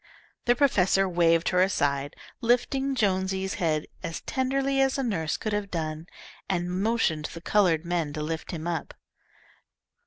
The professor waved her aside, lifting Jonesy's head as tenderly as a nurse could have done, and motioned the coloured men to lift him up.